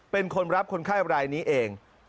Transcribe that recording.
เป็นคนรับคนไข้รายนี้เอง